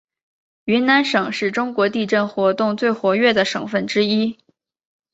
云南省是中国地震活动最活跃的省份之一。